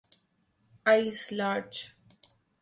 Eyes large.